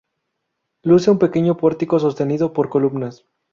Luce un pequeño pórtico sostenido por columnas.